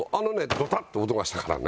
ドタッて音がしたからね。